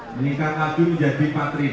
meningkat lagi menjadi empat